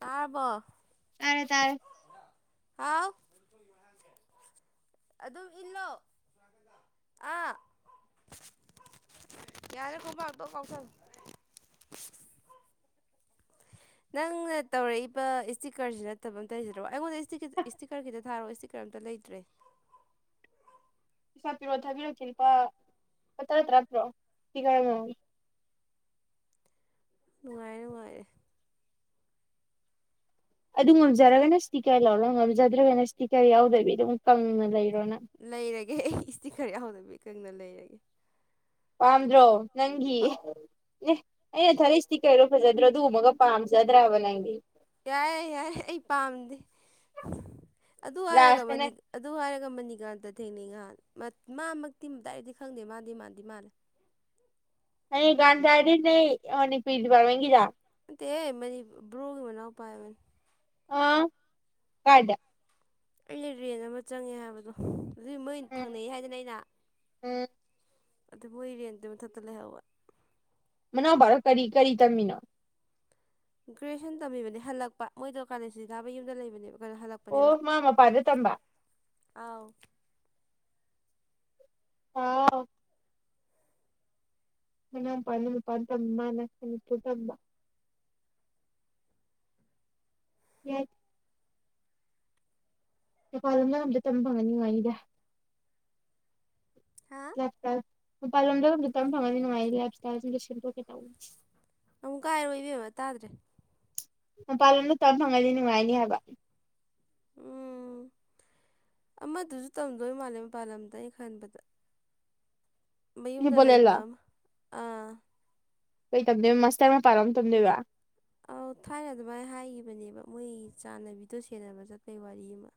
ꯇꯥꯔꯕꯣ ꯇꯥꯔꯦ ꯇꯥꯔꯦ ꯍꯥꯎ ꯑꯗꯨꯝ ꯏꯜꯂꯣ ꯑꯥ ꯌꯥꯔꯦ ꯈꯨꯕ ꯂꯥꯎꯗꯣ ꯀꯧꯁꯜ [inaudible] ꯅꯪꯅ ꯇꯧꯔꯛꯏꯕ ꯏꯁꯇꯤꯀꯔꯁꯤ ꯅꯠꯇꯕ ꯑꯝꯇ ꯂꯩꯁꯤꯗ꯭ꯔꯣ ꯑꯩꯉꯣꯟꯗ ꯏꯁꯇꯤꯀꯔꯒꯤꯈꯤꯗ ꯊꯥꯔꯛꯑꯣ ꯏꯁꯇꯤꯛ ꯀꯔꯤꯝꯇ ꯂꯩꯇ꯭ꯔꯦ ꯄꯩꯁꯥ ꯄꯤꯔꯛꯑꯣ ꯊꯥꯕꯤꯔꯛꯀꯦ ꯂꯨꯄꯥ ꯂꯨꯄꯥ ꯇꯔꯥ ꯇꯔꯥ ꯄꯤꯔꯛꯑꯣ ꯄꯤꯒꯣ ꯅꯨꯡꯉꯥꯏꯔꯦ ꯅꯨꯡꯉꯥꯏꯔꯦ ꯑꯗꯨ ꯉꯝꯖꯔꯒꯅ ꯏꯁꯇꯤꯀꯔ ꯂꯧꯔꯣ ꯉꯝꯖꯗ꯭ꯔꯒꯅ ꯏꯁꯇꯤꯀꯔ ꯌꯥꯎꯗꯕꯤ ꯑꯗꯨꯝ ꯀꯪꯅ ꯂꯩꯔꯣꯅ ꯂꯩꯔꯒꯦ ꯏꯁꯇꯤ ꯈꯔ ꯌꯥꯎꯗꯕꯤ ꯀꯪꯅ ꯂꯩꯔꯒꯦ ꯄꯥꯝꯗ꯭ꯔꯣ ꯅꯪꯒꯤ ꯑꯦ ꯑꯩꯅ ꯊꯥꯂꯛꯁꯤꯇꯤ ꯀꯩꯔꯣ ꯐꯖꯗ꯭ꯔꯣ ꯑꯗꯨ ꯎꯃꯒ ꯄꯥꯝꯖꯗ꯭ꯔꯕ ꯅꯪꯗꯤ ꯌꯥꯏꯦ ꯌꯥꯏꯦ ꯑꯩ ꯄꯥꯝꯗꯦ ꯑꯗꯨ ꯍꯥꯏꯔꯒ ꯂꯥꯁꯇꯅ ꯃꯅꯤ ꯑꯗꯨ ꯍꯥꯏꯔꯒ ꯃꯅꯤꯀꯥꯟꯇ ꯊꯦꯡꯅꯩ ꯉꯍꯥꯟ ꯃꯥꯃꯛꯇꯤ ꯗꯥꯏꯔꯛꯇꯤ ꯈꯪꯗꯦ ꯃꯥꯗꯤ ꯃꯥꯗꯤ ꯃꯥꯂ ꯑꯩꯒꯥꯟꯗꯗꯤ [unintelligible] ꯅꯠꯇꯦ ꯑꯦ ꯃꯅꯤ ꯕ꯭ꯔꯣꯒꯤ ꯃꯅꯥꯎ ꯄꯥꯏꯕꯅꯤ ꯑꯥ ꯀꯥꯏꯗ ꯑꯩꯅ ꯔꯦꯟ ꯑꯃ ꯆꯪꯉꯦ ꯍꯥꯏꯕꯗꯣ ꯑꯗꯨꯏ ꯃꯣꯏ ꯎꯝ ꯊꯪꯅꯩ ꯍꯥꯏꯗꯅ ꯑꯩꯅ ꯎꯝ ꯑꯗꯨ ꯃꯣꯏ ꯔꯦꯟꯗꯨꯏ ꯃꯊꯛꯇ ꯂꯩꯍꯧꯋꯦ ꯃꯅꯥꯎꯚꯥ ꯀꯔꯤ ꯀꯔꯤ ꯇꯝꯃꯤꯅꯣ ꯒ꯭ꯔꯦꯖꯨꯌꯦꯁꯟ ꯇꯝꯃꯤꯕꯅꯦ ꯍꯜꯂꯛꯄꯥ ꯃꯣꯏꯗꯣ ꯀꯥꯂꯦꯟ ꯁꯨꯇꯤ ꯊꯥꯕꯒꯤ ꯌꯨꯝꯗ ꯂꯩꯕꯅꯦ ꯀꯩꯅꯣ ꯍꯜꯂꯛꯄ ꯄꯅꯦꯕꯥ ꯑꯣ ꯃꯥ ꯃꯄꯥꯟꯗ ꯇꯝꯕ ꯑꯥꯎ ꯍꯥꯎ ꯍꯅ ꯄ ꯑꯗꯨꯅ ꯄꯠꯇꯃ ꯅꯅꯤ ꯄꯨꯗꯃ [unintelligible] ꯌꯥ ꯃꯄꯥꯥꯟꯂꯝꯗꯥ ꯑꯝꯇ ꯇꯝ ꯐꯪꯉꯗꯤ ꯅꯨꯉꯥꯏꯅꯤꯗ ꯍꯥ ꯃꯄꯥꯜ ꯂꯝꯗ ꯑꯝꯇꯥ ꯇꯝ ꯐꯪꯉꯗꯤ ꯅꯨꯡꯥꯏꯅꯤ ꯂꯥꯏꯐ ꯁ꯭ꯇꯥꯢꯜ ꯁꯦ ꯑꯝꯇ ꯁꯝꯗꯦꯛꯀꯦ ꯇꯧꯅꯤ ꯑꯃꯨꯛꯀ ꯍꯥꯏꯔꯛꯑꯣ ꯏꯕꯦꯃꯥ ꯇꯥꯗ꯭ꯔꯦ ꯃꯄꯥꯟ ꯂꯣꯝꯗ ꯇꯝ ꯐꯪꯉꯗꯤ ꯅꯨꯡꯉꯥꯏꯅꯤ ꯍꯥꯏꯕ ꯎꯝ ꯑꯃꯗꯨꯁꯨ ꯇꯝꯗꯣꯏ ꯃꯥꯜꯂꯦ ꯃꯄꯥꯟ ꯂꯝꯗ ꯑꯩꯅ ꯈꯟꯕꯗ ꯃꯌꯨꯝꯗ ꯅꯦꯄꯣꯂꯦꯜꯂꯣ ꯂꯩꯕ ꯑꯥꯃ ꯀꯩ ꯇꯝꯗꯣꯏꯕ ꯃꯥꯁꯇꯔ ꯃꯄꯥꯟꯔꯣꯝ ꯇꯝꯗꯣꯏꯕ ꯑꯧ ꯊꯥꯏꯅ ꯑꯗꯨꯃꯥꯏꯅ ꯍꯥꯏꯈꯤꯕꯅꯦꯕ ꯃꯣꯏ ꯆꯥꯟꯅꯕꯤꯗꯣ ꯁꯦꯟꯅꯕ ꯆꯠꯄꯒꯤ ꯋꯥꯔꯤ ꯑꯃ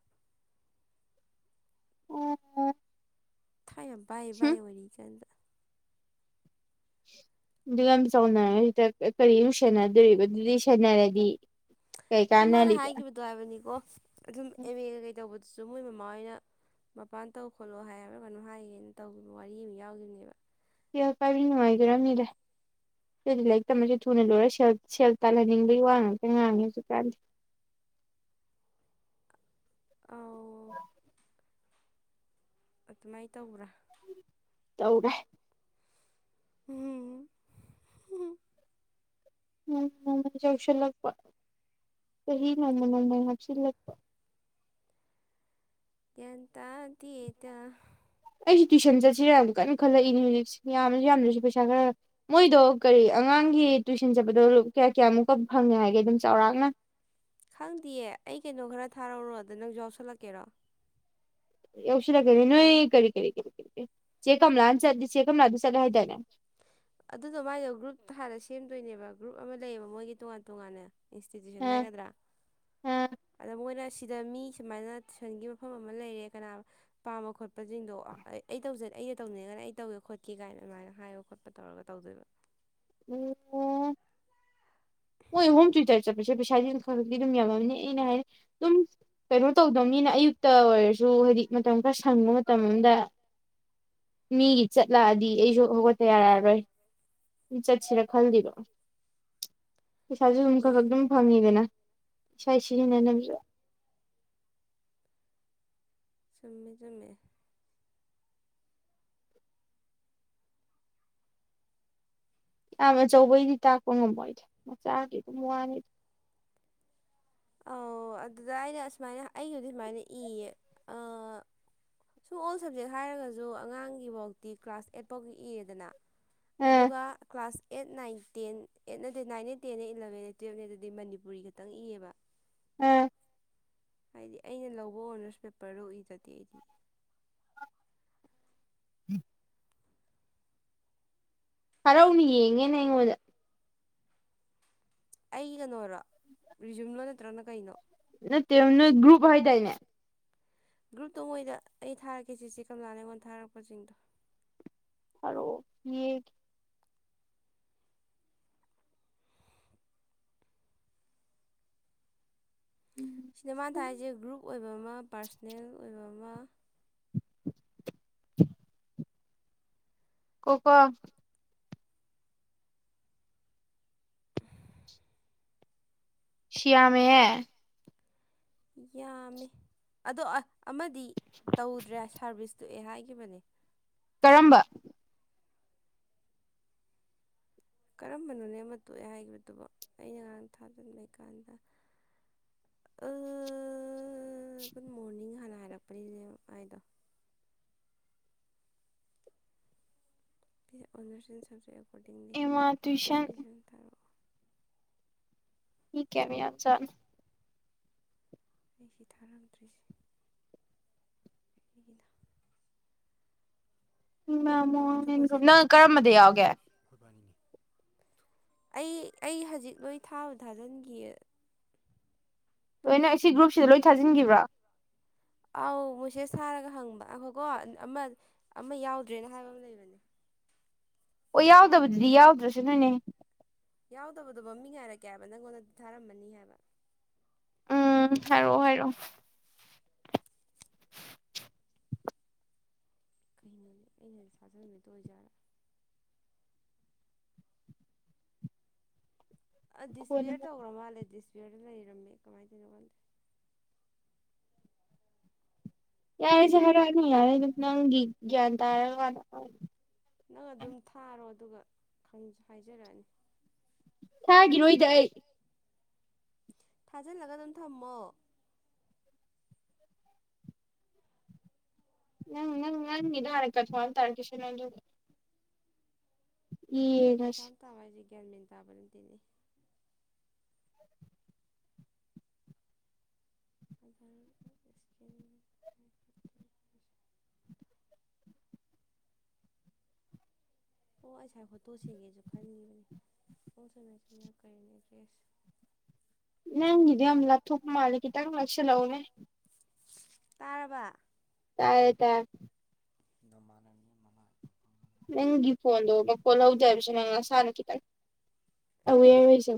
ꯑꯣ ꯊꯥꯏꯅꯥ ꯕꯥꯏ ꯍꯨꯝ ꯕꯥꯥꯏ ꯥꯑꯣꯏꯔꯤꯒꯥꯟꯗ ꯑꯗꯨ ꯌꯥꯝ ꯆꯥꯎꯅ ꯍꯦꯗ ꯀꯔꯤ ꯑꯃꯣꯛꯅ ꯁꯦꯟꯅꯗꯣꯔꯤꯕ ꯑꯗꯨꯗꯤ ꯁꯦꯟꯅꯔꯗꯤ ꯀꯩ ꯁꯨꯝ ꯃꯥꯅ ꯀꯥꯟꯅꯔꯤꯕ ꯍꯥꯏꯈꯤꯕꯗꯣ ꯍꯥꯏꯕꯅꯤꯀꯣ ꯑꯗꯨꯝ ꯑꯦꯝ ꯃꯦ ꯀꯩ ꯇꯧꯕꯗ ꯁꯨꯝ ꯃꯣꯏ ꯃꯃꯥ ꯍꯣꯏꯅ ꯃꯄꯥꯟ ꯇꯧ ꯈꯣꯠꯂꯣ ꯍꯥꯏꯕ꯭ꯔꯥ ꯀꯩꯅꯣ ꯍꯥꯒꯤꯒꯨꯝ ꯇꯧꯈꯤꯕ ꯋꯥꯔꯤ ꯑꯃ ꯌꯥꯎꯈꯤꯕꯅꯦꯕ ꯇꯤꯌꯥ ꯄꯥꯏꯕꯤꯅ ꯍꯥꯏ ꯔꯅꯤꯔ [unintelligible] ꯑꯗꯨꯗꯤ ꯂꯥꯏꯔꯤꯛꯝꯇꯝꯕꯁꯤ ꯊꯨꯅ ꯂꯣꯏꯔꯒ ꯁꯦꯜ ꯇꯥꯜꯍꯟꯅꯤꯡꯕꯒꯤ ꯋꯥ ꯉꯥꯛꯇ ꯉꯥꯡꯉꯦ ꯍꯧꯖꯤꯛꯀꯥꯟꯗꯤ ꯑ ꯑꯗꯨꯃꯥꯏꯅ ꯇꯧꯕ꯭ꯔꯥ ꯇꯧꯔꯦ ꯎꯝ ꯅ ꯅꯣꯡꯃꯩ ꯆꯥꯎꯁꯤꯜꯂꯛꯄ ꯆꯍꯤ ꯅꯣꯡꯃ ꯅꯣꯡꯃ ꯍꯥꯞꯆꯤꯜꯂꯛꯄ ꯒ꯭ꯌꯥꯟ ꯇꯥꯗꯦ ꯗꯥ ꯑꯩꯁꯨ ꯇꯨꯏꯁꯟ ꯆꯠꯁꯤꯔꯅꯥ ꯀꯟꯅ ꯈꯜꯂꯛꯏꯅꯤ ꯍꯧꯖꯤꯛꯁꯤ ꯌꯥꯝꯃꯁꯨ ꯌꯥꯝꯗ꯭ꯔꯁꯨ ꯄꯩꯁꯥ ꯈꯔ ꯃꯣꯏꯗꯣ ꯀꯔꯤ ꯑꯉꯥꯡꯒꯤ ꯇꯨꯏꯁꯟ ꯆꯠꯄꯗꯣ ꯀꯌꯥ ꯀꯌꯥꯃꯨꯛꯀ ꯐꯪꯉꯦ ꯍꯥꯏꯒꯦ ꯑꯗꯨꯝ ꯆꯥꯎꯔꯥꯛꯅ ꯈꯪꯗꯦꯌꯦ ꯑꯩ ꯀꯩꯅꯣ ꯈꯔ ꯊꯥꯔꯧꯔꯣ ꯗ ꯅꯪꯁꯨ ꯌꯥꯎꯁꯜꯂꯛꯀꯦꯔꯣ ꯌꯥꯎꯁꯤꯜꯀꯦ ꯅꯣꯏ ꯀꯔꯤ ꯀꯔꯤꯔꯤ ꯆꯦ ꯀꯝꯃꯂꯥ ꯑꯝ ꯆꯠ ꯆꯦ ꯀꯝꯃꯂꯥꯗꯨ ꯆꯠꯂꯤ ꯍꯥꯏꯗꯥꯏꯅꯦ ꯑꯗꯨꯗꯣ ꯃꯥꯏꯗꯣ ꯒ꯭ꯔꯨꯞ ꯍꯥꯟꯅꯥ ꯁꯦꯝꯗꯣꯏꯅꯦꯕ ꯒ꯭ꯔꯨꯞ ꯑꯃ ꯂꯩꯌꯦꯕ ꯃꯣꯏꯒꯤ ꯇꯣꯉꯥꯟ ꯇꯣꯉꯥꯟꯅ ꯏꯟꯁꯇꯤꯇ꯭ꯌꯨꯁꯟ ꯍꯥꯏꯒꯗ꯭ꯔꯥ ꯑ ꯑꯣ ꯑꯗ ꯃꯣꯏꯅ ꯁꯤꯗ ꯃꯤ ꯁꯨꯃꯥꯏꯅ ꯇꯨꯏꯁꯟꯒꯤ ꯃꯐꯝ ꯑꯃ ꯂꯩꯔꯦ ꯀꯅꯥ ꯄꯥꯝꯕ ꯈꯣꯠꯄꯁꯤꯡꯗꯣ ꯑꯩ ꯑꯩ ꯇꯧꯖ ꯑꯩꯩꯅ ꯇꯧꯅꯤꯡꯉꯅ ꯑꯩ ꯇꯧꯒꯦ ꯈꯣꯠꯀꯦ ꯀꯥꯏꯅ ꯑꯗꯨꯃꯥꯏꯅ ꯍꯥꯏꯕ ꯈꯣꯠꯄ ꯇꯧꯔꯒ ꯇꯧꯗꯣꯏꯕ ꯎꯝ ꯍꯣꯏ ꯍꯣꯝ ꯇ꯭ꯌꯨꯇꯔ ꯆꯠꯄꯁꯦ ꯄꯩꯁꯥꯗꯤ ꯑꯗꯨ ꯈꯛꯔꯗꯤ ꯑꯗꯨꯝ ꯌꯥꯝꯃꯕꯅꯤ ꯑꯩꯅ ꯍꯥꯏꯔꯤ ꯑꯗꯨꯝ ꯀꯩꯅꯣ ꯇꯧꯗꯕꯅꯤꯅ ꯑꯌꯨꯛꯇ ꯑꯣꯏꯔꯁꯨ ꯍꯥꯏꯗꯤ ꯃꯇꯝ ꯈꯔ ꯁꯪꯕ ꯃꯇꯝ ꯑꯃꯗ ꯃꯤꯒꯤ ꯆꯠꯂꯛꯑꯗꯤ ꯑꯩꯁꯨ ꯍꯧꯒꯠꯇ ꯌꯥꯔꯛꯑꯔꯣꯏ ꯆꯠꯁꯤꯔꯥ ꯈꯜꯂꯤꯕꯥ ꯄꯩꯁꯥꯁꯨ ꯑꯗꯨꯨꯝ ꯏ ꯈꯛ ꯈꯛ ꯑꯗꯨꯝ ꯐꯪꯉꯤꯗꯅ ꯏꯁꯥꯏ ꯍꯣꯏ ꯁꯤꯖꯤꯟꯅꯅꯕꯁꯨ ꯆꯨꯝꯃꯦ ꯆꯃꯦ ꯌꯥꯝ ꯑꯆꯧꯕꯩꯗꯤ ꯇꯥꯛꯄ ꯉꯝꯃꯣꯏꯗꯥ ꯃꯆꯥꯒꯤ ꯑꯗꯨꯝ ꯋꯥꯅꯤ ꯑꯧ ꯑꯗꯨꯗ ꯑꯩꯅ ꯑꯁꯨꯃꯥꯏꯅ ꯑꯩꯒꯤꯗꯤ ꯁꯨꯃꯥꯏꯅ ꯏꯌꯦ ꯁꯨꯝ ꯑꯣꯜ ꯁꯕꯖꯦꯛ ꯍꯥꯏꯔꯒꯁꯨ ꯑꯉꯥꯡꯒꯤꯐꯥꯎꯇꯤ ꯀ꯭ꯂꯥꯁ ꯑꯦꯠ ꯐꯥꯎꯒꯤ ꯏꯔꯦꯗꯅ ꯑꯥ ꯑꯗꯨꯒ class eight nine ten eight ꯅꯠꯇꯦ ꯅꯥꯏꯟꯅꯟꯅꯦ ꯇꯦꯟꯅꯦ ꯏꯂꯕꯦꯦ ꯇꯨꯌꯦꯜꯞꯅꯦ ꯑꯗꯨꯗꯤ ꯃꯅꯤꯄꯨꯔꯤ ꯈꯛꯇꯪ ꯏꯑꯕ ꯎꯝ ꯍꯥꯏꯗꯤ ꯑꯩꯅ ꯂꯧꯕ ꯑꯣꯅꯔꯁ ꯄꯦꯄꯔꯗꯣꯏ ꯏꯗꯗꯤ ꯑꯩꯗꯤ ꯎꯝ ꯊꯔꯥꯎꯅꯦ ꯌꯦꯡꯉꯦꯅꯦ ꯑꯩꯉꯣꯟꯗ ꯑꯩ ꯀꯩꯅꯔꯣ ꯔꯤꯖꯨꯝꯂꯣ ꯅꯠꯇ꯭ꯔꯅ ꯀꯩꯅꯣ ꯅꯥꯇꯦ ꯅꯣꯏ ꯒꯔꯨꯞ ꯍꯥꯏꯗꯥꯏꯅꯦ ꯒ꯭ꯔꯨꯞꯇꯣ ꯃꯣꯏꯗ ꯑꯩ ꯊꯥꯔꯛꯀꯦ ꯆꯦꯆꯦ ꯀꯂꯥ ꯂꯩꯉꯣꯟꯜ ꯊꯥꯔꯛꯄꯁꯤꯡꯗꯣ ꯊꯔꯛꯑꯣ ꯌꯦꯟꯒꯤ ꯁꯤꯗꯥ ꯃꯥꯅꯥ ꯊꯥꯁꯦ ꯒ꯭ꯔꯨꯞ ꯑꯣꯏꯕ ꯑꯃ ꯄꯥꯔꯁꯣꯅꯦꯜ ꯑꯣꯏꯕ ꯑꯃ [unintelligible] ꯀꯣꯀꯣ [unintelligible] ꯁꯤꯌꯥꯃꯦꯍꯦ ꯌꯥꯝꯃꯦ ꯑꯗꯣ ꯑꯃꯗꯤ ꯇꯧꯗ꯭ꯔꯦ ꯁꯥꯔꯚꯤꯁꯇꯨꯑ ꯍꯥꯏꯈꯤꯕꯅꯦ ꯀꯔꯝꯕ ꯀꯔꯝꯕꯅꯣꯅꯦꯦꯝ ꯑꯃ ꯇꯣꯛꯑꯦ ꯍꯥꯏꯈꯤꯕꯗꯨꯕ ꯑꯩꯅ ꯉꯔꯥꯡ ꯊꯥꯖꯤꯟꯕꯩ ꯀꯥꯟꯗ ꯑꯥꯑꯥ ꯒꯨꯗ ꯃꯣꯔꯅꯤꯡ ꯍꯥꯟꯅ ꯍꯥꯏꯔꯛꯄꯅꯤꯅꯦ ꯃꯒꯤꯗꯨ ꯑꯣꯅꯔꯁꯟ ꯁꯕꯖꯦꯛ ꯑꯦꯀꯣꯔꯗꯤꯡꯂꯤ ꯑꯦꯃꯥ ꯇꯨꯏꯁꯟ ꯊꯥꯔꯛꯑꯣ ꯃꯤ ꯀꯌꯃꯨꯛ ꯌꯥꯝ ꯖꯠꯅꯣ ꯑꯩꯁꯤ ꯊꯥꯔꯝꯗ꯭ꯔꯤꯁꯦ ꯑꯩꯒꯤꯅ ꯎꯃ ꯍꯣꯏ ꯀꯛꯊꯠꯀꯣꯁꯦ ꯅꯪ ꯀꯔꯝꯕꯗ ꯌꯥꯎꯒꯦ ꯑꯩ ꯑꯩ ꯍꯧꯖꯤꯛ ꯅꯣꯏ ꯊꯥꯕ ꯊꯥꯖꯤꯟꯈꯤ ꯂꯣꯏꯅ ꯁꯤ ꯒ꯭ꯔꯨꯞꯁꯤꯗ ꯂꯣꯏ ꯊꯥꯖꯤꯟꯈꯤꯕ꯭ꯔꯥ ꯑꯥꯎ ꯃꯣꯏꯁꯦ ꯁꯥꯔꯒ ꯍꯪꯕ ꯑꯩꯈꯣꯏꯀꯣ ꯑꯃ ꯑꯃ ꯌꯥꯎꯗ꯭ꯔꯦꯅ ꯍꯥꯏꯕ ꯑꯃ ꯂꯩꯕꯅꯦ ꯑꯣ ꯌꯥꯎꯗꯕꯗꯨꯗꯤ ꯌꯥꯎꯗ꯭ꯔꯁꯨ ꯅꯣꯏꯅꯦ ꯌꯥꯎꯗꯕꯗꯨꯣ ꯃꯃꯤ ꯉꯥꯏꯔꯛꯀꯦ ꯍꯥꯏꯕ ꯅꯪꯉꯣꯟꯗꯗꯤ ꯊꯥꯔꯝꯃꯅꯤ ꯍꯥꯏꯕ ꯎꯝ ꯍꯥꯏꯔꯣꯑꯣ ꯍꯥꯏꯔꯣ ꯀꯩꯅꯣꯅꯦ ꯑꯩꯅ ꯁꯥꯖꯟꯕꯗꯣ ꯑꯣꯏꯖꯥꯠꯔꯥ ꯑ ꯗꯤꯁꯄ꯭ꯂꯦꯌꯔ ꯀꯣꯟꯅ ꯇꯧꯈ꯭ꯔꯣ ꯃꯥꯜꯂꯦ ꯗꯤꯁꯄ꯭ꯂꯌꯔꯗ ꯂꯩꯔꯝꯃꯦ ꯀꯃꯥꯏꯅ ꯇꯧꯅꯣ ꯀꯥꯟꯗ ꯌꯥꯔꯦꯁꯤꯦ ꯍꯥꯏꯔꯅꯤ ꯌꯥꯔꯦ ꯑꯗꯨꯅꯪ ꯭ꯌꯥꯟ ꯇ ꯍꯥꯏꯔ ꯋꯥ ꯅꯪ ꯑꯗꯨꯝ ꯊꯥꯔꯣ ꯑꯗꯨꯒ ꯍꯥꯏꯖꯔꯛꯑꯅꯤ ꯊꯥꯒꯤꯔꯣꯏꯗ ꯑꯩ ꯊꯥꯖꯤꯜꯂꯒ ꯑꯗꯨꯝ ꯊꯝꯃꯣ ꯅꯪꯪ ꯅꯪ ꯏ ꯍꯥꯏꯔꯅ ꯀꯟꯐꯥꯝ ꯇꯔꯛꯀꯁ ꯅꯨ ꯌꯦꯡꯉꯁꯤ ꯀꯟꯐꯥꯔꯝ ꯇꯥꯕ ꯍꯥꯏꯁꯦ ꯒ꯭ꯌꯥꯃꯦꯟ ꯇꯥꯕ ꯅꯠꯇꯦꯅꯦ [unintelligible] ꯑꯣ ꯑꯩꯁꯥꯏ ꯐꯣꯇꯣ ꯁꯦꯝꯦꯡꯒꯦꯁꯨ ꯈꯟꯈꯤꯕꯅꯦ ꯍ ꯁꯨꯉꯥꯏ ꯁꯣꯏꯅꯔꯛ ꯀꯔꯤꯅꯦ ꯑꯦꯗ꯭ꯔꯦꯁ ꯅꯒꯤꯗꯨ ꯌꯥꯝꯅꯥ ꯂꯞꯊꯣꯛꯄ ꯃꯥꯂꯦ ꯈꯤꯇꯪ ꯅꯥꯛꯁꯤꯜ ꯂꯛꯎꯅꯦ ꯇꯥꯔꯕ ꯇꯥꯏꯌꯦ ꯇꯥꯏꯌꯦ ꯅꯥꯃꯟꯅꯕꯤ ꯃꯅꯥꯏ ꯅꯪꯒꯤ ꯐꯣꯟꯗꯣ ꯃꯈꯣꯟ ꯍꯧꯗꯦ ꯍꯥꯏꯕꯁꯦ ꯅꯪ ꯅꯁꯅꯥ ꯈꯤꯇꯪ ꯑꯋꯥꯔꯦ ꯑꯣꯏꯖꯥꯎ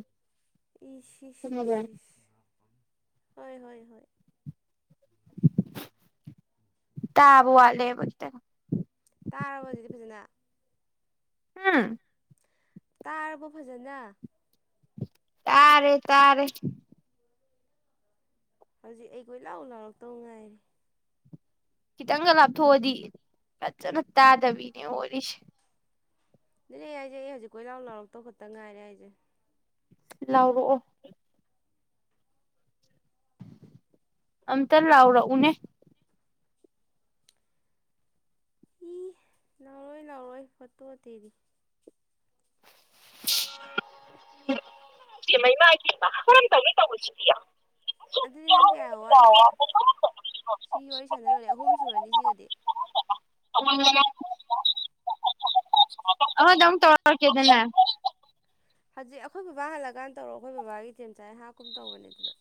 ꯍꯣꯏ ꯍꯣꯏ ꯍꯣꯏ ꯎꯝ [inaudible] ꯇꯥꯕꯥ ꯋꯥꯠꯂꯦꯕꯥ ꯈꯤꯇꯥꯡ ꯇꯥꯔꯕ ꯑꯗꯨꯗꯤ ꯐꯖꯅꯥ ꯍꯨꯝ ꯇꯥꯔꯕꯣ ꯐꯖꯅꯥ ꯇꯥꯔꯦ ꯇꯥꯔꯦ ꯍꯧꯖꯤꯛ ꯑꯩ ꯀꯣꯏꯂꯥꯎ ꯂꯥꯎꯔꯛꯇꯧ ꯉꯥꯏꯔꯦ ꯈꯤꯇꯪꯒ ꯂꯥꯞꯊꯣꯛꯑꯗꯤ ꯐꯖꯅꯥ ꯇꯥꯗꯕꯤꯅꯦ ꯑꯣꯏꯔꯤꯁꯦ ꯑꯗꯨꯅꯦ ꯑꯩ ꯍꯥꯏꯖꯦ ꯑꯩ ꯍꯧꯖꯤꯛ ꯀꯣꯏ ꯂꯥꯎ ꯂꯥꯎꯔꯛꯇꯧ ꯈꯛꯇ ꯉꯥꯏꯔꯦ ꯍꯥꯏꯖꯦ ꯂꯥꯎꯔꯛꯑꯣ ꯑꯝꯇꯥ ꯂꯥꯎꯔꯛ ꯎꯅꯦ ꯂꯥꯎꯔꯛꯑꯣꯏ ꯂꯥꯎꯔꯛꯑꯣꯏ ꯐꯣꯇꯣ ꯑꯇꯩꯗꯤ ꯏꯃꯥꯏ ꯄꯦꯝꯃꯥ ꯏꯃꯥꯏ ꯄꯦꯃꯃꯥ ꯀꯔꯝ ꯇꯧꯅꯤ ꯇꯧꯔꯤꯁꯤꯗꯤ ꯑꯗꯨꯗꯤ ꯅꯪ ꯀꯌꯥ ꯋꯥꯠꯂꯤ ꯁꯤ ꯋꯥꯔꯤ ꯁꯥꯟꯅ ꯂꯣꯏꯔꯦ ꯑꯍꯨꯝ ꯁꯨꯔꯅꯤ ꯁꯤꯒꯗꯤ [inaudible] [inaudible] ꯑꯃꯥꯗꯪ ꯇꯧꯔꯛ ꯀꯦꯗꯅ ꯍꯧꯖꯤꯛ ꯑꯩꯈꯣꯏ ꯕꯕꯥ ꯍꯜꯂꯛꯀꯥꯟ ꯇꯧꯔꯛꯑꯣ ꯑꯩꯈꯣꯏ ꯕꯥꯕꯥꯒꯤ ꯆꯦꯝꯆꯥꯥꯏ ꯍꯥꯞꯀꯨꯝ ꯇꯧꯕꯅꯦ ꯑꯗꯨꯗ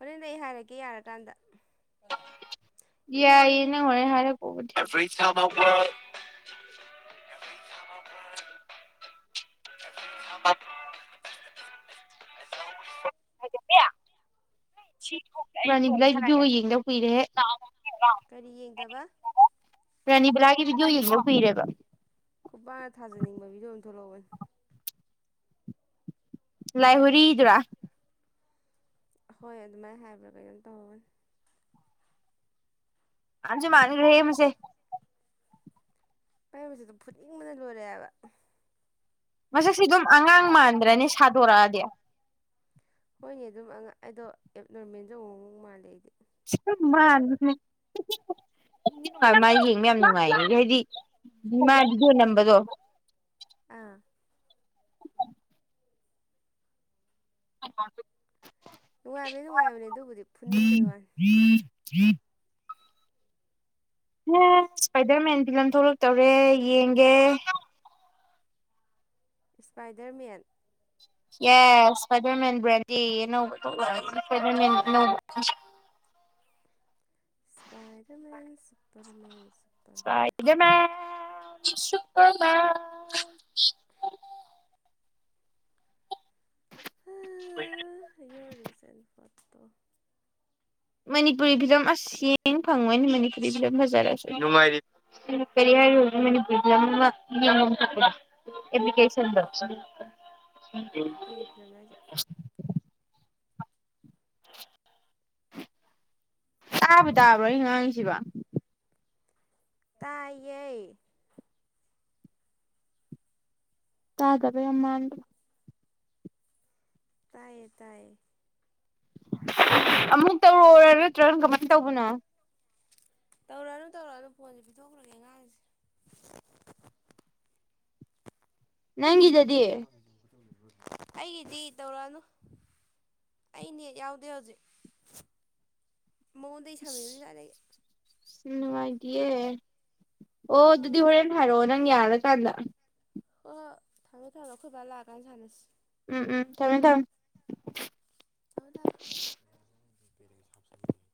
ꯍꯣꯔꯦꯟꯗ ꯑꯩ ꯍꯥꯏꯔꯛꯀꯦ ꯌꯥꯔꯀꯥꯟꯗ ꯌꯥꯏꯌꯦ ꯏꯃꯥꯟꯅꯕꯤꯅꯤ ꯅꯪ ꯍꯣꯔꯦꯟ ꯍꯥꯏꯔꯛꯄꯥꯕꯨꯗꯤ [unintelligible] ꯌꯦꯡꯗꯥ ꯀꯨꯏꯔꯦꯍꯦ ꯀꯔꯤ ꯌꯦꯡꯗꯕ ꯔꯥꯅꯤꯕꯂꯥꯒꯤ ꯚꯤꯗꯤꯑꯣ ꯌꯦꯡꯗꯥ ꯀꯨꯏꯔꯦꯕꯥ ꯈꯨꯄꯥꯛꯅ ꯊꯥꯖꯟꯅꯤꯡꯕ ꯚꯤꯗꯤꯑꯣ ꯑꯃꯥ ꯊꯣꯛꯂꯛꯍꯧꯕꯅꯤ ꯂꯥꯏ ꯍꯨꯔꯤ ꯗꯨꯔꯥ ꯍꯣꯏ ꯑꯗꯨꯃꯥꯏꯅ ꯍꯥꯏꯕ꯭ꯔꯥ ꯀꯩꯅꯣꯝ ꯇꯧꯍꯧꯒꯅꯤ ꯃꯟꯖꯨ ꯃꯟꯒ꯭ꯔꯦꯍꯦ ꯃꯁꯦ [unintelligible] ꯐꯨꯅꯤꯡꯕꯅꯥ ꯂꯣꯏꯔꯦꯕꯥ ꯃꯁꯛꯁꯦ ꯑꯗꯨꯝ ꯑꯉꯥꯡ ꯃꯥꯟꯗ꯭ꯔꯅꯦ ꯁꯥꯗꯣꯔꯛ ꯑꯗꯤ ꯍꯣꯏꯅꯦ ꯑꯗꯨꯝ ꯑꯉꯥꯡ ꯑꯗꯣ ꯑꯦꯞ ꯅꯣꯔꯃꯦꯜꯖꯨ ꯑꯃꯨꯛ ꯃꯨꯛ ꯃꯥꯜꯂꯦ ꯑꯩꯗꯤ ꯃꯟꯕꯅꯦ ꯑꯩꯗꯤ ꯃꯥ ꯌꯦꯡꯕ ꯌꯥꯝ ꯅꯨꯡꯉꯥꯏꯌꯦ ꯍꯥꯏꯗꯤ ꯃꯥ ꯚꯤꯗꯤꯑꯣ ꯅꯝꯕꯗꯣ ꯑꯥ [inaudible] ꯅꯨꯡꯉꯥꯏꯕꯅꯤ ꯅꯨꯡꯉꯥꯏꯕꯅꯦ ꯑꯗꯨꯕꯨꯗꯤ ꯐꯨꯅꯤꯡꯕꯩ ꯋꯥꯅꯤ ꯊꯔꯤ ꯊꯔꯤ [inaudible] ꯑꯦ ꯏꯁꯄꯥꯏꯗꯔꯃꯦꯟ ꯐꯤꯂꯝ ꯊꯣꯛꯂꯛꯇꯧꯔꯦ ꯌꯦꯡꯒꯦ ꯏꯁ꯭ꯄꯥꯏꯗꯔꯃꯦꯟ ꯌꯦꯁ ꯏꯁꯄꯥꯏꯗꯔꯥꯃꯦꯟ ꯕꯦꯟꯗꯤꯔ ꯑꯅꯧꯕꯥ ꯊꯣꯛꯂꯛ ꯑꯝꯅꯤ ꯏꯁꯄꯥꯏꯗꯔ꯭ꯃꯦꯟꯒꯤ ꯑꯅꯧꯕꯥ Spider-Man Superman ꯏꯁꯄꯥꯏꯗ꯭ꯔ꯭ꯃꯦꯟ Superman [unintelligible] [unintelligible] your recent photo Manipuri film ꯑꯁ ꯌ‌ꯦꯡ ꯐꯪꯉꯣꯏꯅ‌ꯦ ꯃꯅꯤꯄꯨꯔꯤ ꯐꯤꯂꯝ ꯐꯖꯔꯁꯨ ꯅꯨꯡꯉꯥꯏꯔꯤ ꯀꯔꯤ ꯍꯥꯏꯔꯨꯏ ꯃꯅꯤꯄꯨꯔꯤ ꯐꯤꯂꯝ ꯑꯃꯥ ꯌ‌ꯦꯡꯉ ꯃꯨꯊꯠꯄꯗ‌ꯣ ꯑꯦꯄꯂꯤꯀꯦꯁꯟ ꯗ‌ꯣ ꯀꯩ [unintelligible] ꯍꯥꯏꯖ‌ꯦ [unintelligible] [inaudible] ꯇꯥꯕꯨ ꯇꯥꯕ꯭ꯔꯣ ꯑꯩ ꯉꯥꯡꯉꯤꯁꯤꯕ‌ꯣ ꯇꯥꯏꯌ‌ꯦ ꯇꯥꯗꯕ ꯌꯥꯝ ꯃꯥꯟꯕ ꯇꯥꯏꯌꯦ ꯇꯥꯏꯌꯦ ꯑꯃꯨꯛ ꯇꯧꯔꯛ ꯑ‌ꯣꯔ ꯅꯠꯇ꯭ꯔ ꯀꯃꯥꯏꯟ ꯇꯧꯕꯅꯣ ꯇꯧꯔꯛꯑꯅꯨ ꯇꯧꯔꯛꯑꯅꯨ ꯐꯣꯟꯖ‌ꯦ ꯄꯤꯊꯣꯛꯈ꯭ꯔꯒꯦ ꯑꯉꯥꯡꯁꯦ ꯅꯪꯒꯤꯗꯗꯤ ꯑꯁ ꯑꯩꯒꯤꯗꯤ ꯇꯧꯔꯛꯑꯅꯨ ꯑꯩ ꯅꯦꯠ ꯌꯥꯎꯗꯦ ꯍꯧꯖꯤꯛ ꯃꯉꯣꯟꯗꯩ ꯁꯝꯃꯤꯝꯅ‌ꯦ ꯉꯁꯥꯏꯗꯒꯤ ꯅꯨꯡꯉꯥꯏꯇꯌꯦ ꯑꯣ ꯑ ꯑꯗꯨꯗꯤ ꯍꯣꯏ ꯍꯣꯔꯦꯟ ꯍꯥꯏꯔꯛꯑꯣ ꯅꯪ ꯌꯥꯔꯀꯥꯟꯗ ꯍꯣꯏ ꯍꯣꯏ ꯊꯝꯃꯣ ꯊꯝꯃꯣ ꯑꯈꯣꯏ ꯕꯥ ꯂꯥꯛꯑꯀꯥꯟ ꯁꯥꯟꯅꯁꯤ ꯎꯝ ꯎꯝ ꯊꯝꯃꯦ ꯊꯝ ꯊꯝꯃ‌ꯣ ꯊꯝ [unintelligible]